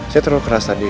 saya terlalu keras tadi